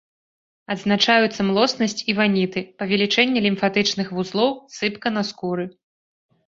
Адзначаюцца млоснасць і ваніты, павелічэнне лімфатычных вузлоў, сыпка на скуры.